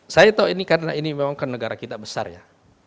saya tahu ini karena ini memang kan negara kita besar ya